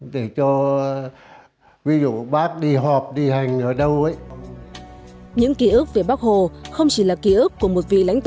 đến với sọ